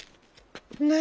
「ねえ！